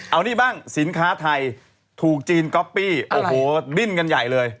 เอานี่บ้างสินค้าไทยถูกจีนก๊อปปี้โอ้โหดิ้นกันใหญ่เลย